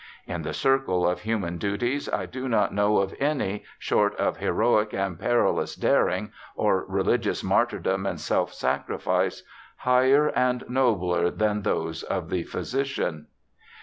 In the circle of human duties, I do not know of any, short of heroic and perilous daring, or religious martyrdom and self sacrifice, higher and nobler than those of the physician.